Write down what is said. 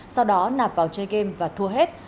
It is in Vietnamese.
sau đó nạp vào chơi game và thua hết